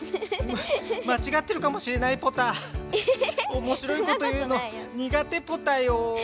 おもしろいこと言うのにがてポタよ。